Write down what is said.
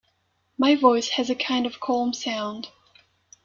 My voice has a kind of calm sound.